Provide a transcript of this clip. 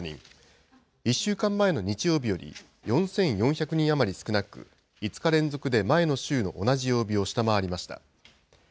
１週間前の日曜日より４４００人余り少なく、５日連続で前の週の同じ曜日を下回りました。